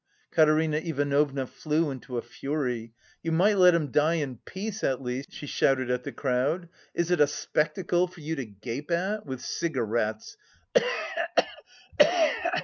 Katerina Ivanovna flew into a fury. "You might let him die in peace, at least," she shouted at the crowd, "is it a spectacle for you to gape at? With cigarettes!